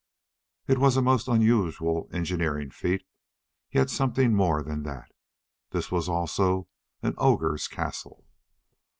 It was a most unusual engineering feat, yet something more than that: this was also an ogre's castle.